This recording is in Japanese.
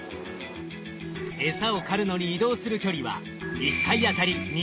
エサを狩るのに移動する距離は１回あたり２ｋｍ。